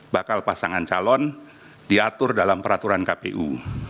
bakal pasangan calon diatur dalam peraturan kpu